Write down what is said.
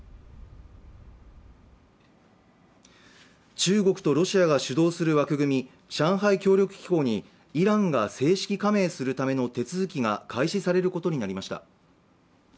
中国とロシアが主導する枠組み、上海協力機構にイランが正式加盟するための手続きが開始されることになりました。